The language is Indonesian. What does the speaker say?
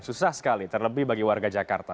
susah sekali terlebih bagi warga jakarta